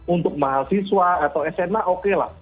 untuk mahasiswa atau sma oke lah